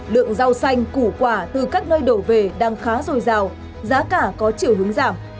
lượng rau xanh củ quả từ các nơi đổ về đang khá dồi dào giá cả có chiều hướng giảm